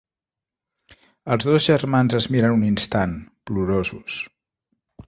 Els dos germans es miren un instant, plorosos.